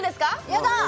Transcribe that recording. やだ！